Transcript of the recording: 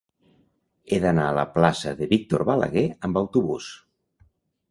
He d'anar a la plaça de Víctor Balaguer amb autobús.